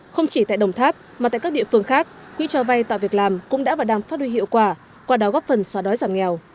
không chỉ tại đồng tháp mà tại các địa phương khác quỹ cho vay tạo việc làm cũng đã và đang phát đôi hiệu quả qua đó góp phần xóa đói giảm nghèo